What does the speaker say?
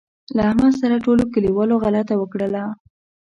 له احمد سره ټولوکلیوالو غلطه وکړله.